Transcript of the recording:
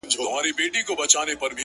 رمې دي د هغه وې اې شپنې د فريادي وې’